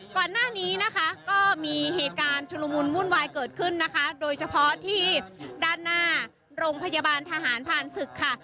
ก่อนหน้านี้นะคะก็มีเหตุการณ์ชุลมุนวุ่นวายเกิดขึ้นนะคะโดยเฉพาะที่ด้านหน้าโรงพยาบาลทหารผ่านศึกค่ะ